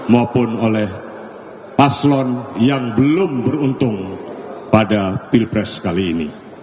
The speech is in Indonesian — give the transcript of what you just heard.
maupun oleh paslon yang belum beruntung pada pilpres kali ini